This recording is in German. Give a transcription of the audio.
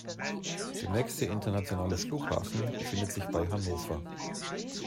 Der nächste internationale Flughafen befindet sich bei Hannover.